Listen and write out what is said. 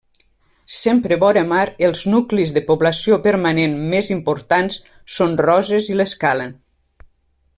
Sempre vora mar, els nuclis de població permanent més importants són Roses i l'Escala.